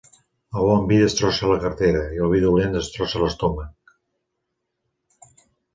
El bon vi destrossa la cartera, i el vi dolent destrossa l'estómac.